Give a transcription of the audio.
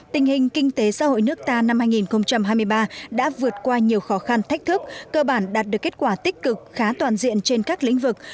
tình hình kinh tế xã hội nước ta năm hai nghìn hai mươi ba đã vượt qua nhiều khó khăn thách thức cơ bản đạt được kết quả tích cực khá toàn diện trên các lĩnh vực